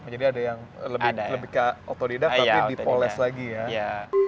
jadi ada yang lebih ke otodidak tapi dipoles lagi ya